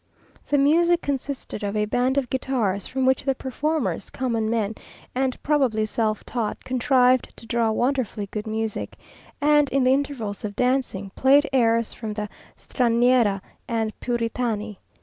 The music consisted of a band of guitars, from which the performers, common men, and probably self taught, contrived to draw wonderfully good music, and, in the intervals of dancing, played airs from the Straniera and Puritani.